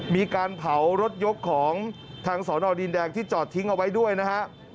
มีการเผารถยกของทางสอนอดินแดงที่จอดทิ้งเอาไว้ด้วยนะฮะ